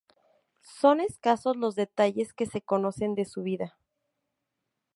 Son escasos los detalles que se conocen de su vida.